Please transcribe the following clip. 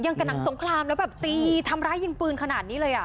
กับหนังสงครามแล้วแบบตีทำร้ายยังปืนขนาดนี้เลยอ่ะ